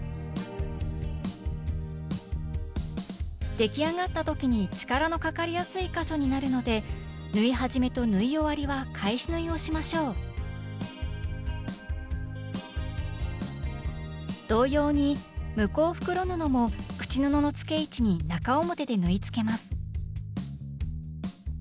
出来上がった時に力のかかりやすい箇所になるので縫い始めと縫い終わりは返し縫いをしましょう同様に向こう袋布も口布の付け位置に中表で縫いつけます